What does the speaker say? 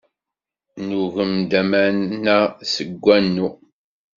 Nugem-d aman-a seg wanu.